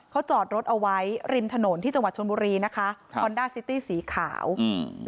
เขาจอดรถเอาไว้ริมถนนที่จังหวัดชนบุรีนะคะครับฮอนด้าซิตี้สีขาวอืม